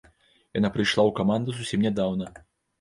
Яна прыйшла ў каманду зусім нядаўна.